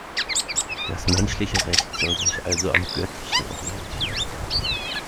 Das menschliche Recht soll sich also am göttlichen orientieren.